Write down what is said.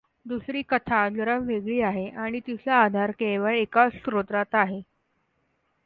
दुसरी कथा जरा वेगळी आहे आणि तिचा आधार केवळ एकाच स्रोतात आहे